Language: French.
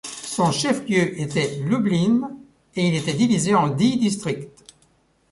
Son chef-lieu était Lublin, et il était divisé en dix districts.